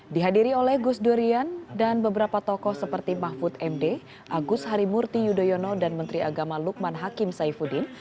dihadiri oleh gus durian dan beberapa tokoh seperti mahfud md agus harimurti yudhoyono dan menteri agama lukman hakim saifuddin